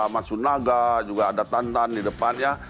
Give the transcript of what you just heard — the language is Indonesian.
mas sunaga juga ada tantan di depan ya